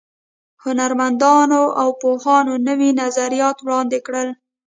هنرمندانو او پوهانو نوي نظریات وړاندې کړل.